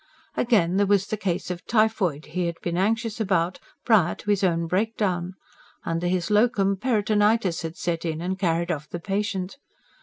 Again, there was the case of typhoid he had been anxious about, prior to his own breakdown: under his LOCUM, peritonitis had set in and carried off the patient.